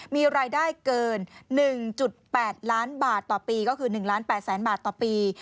มีรายได้เกิน๑๘ล้านบาทต่อปีก็คือ๑ล้าน๘แสนบาทต่อปี